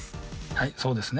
はいそうですね。